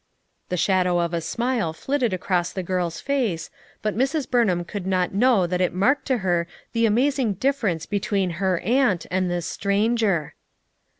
The shadow of a smile flitted across the girl's face but Mrs. Burnham could not know that it marked to her the amazing difference between her aunt and this stranger.